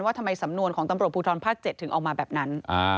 ทำไมสำนวนของตำรวจภูทรภาค๗ถึงออกมาแบบนั้น